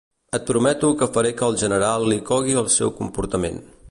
Et prometo que faré que al General li cogui el seu comportament.